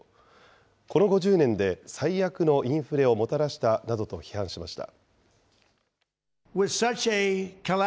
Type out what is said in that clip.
この５０年で最悪のインフレをもたらしたなどと批判しました。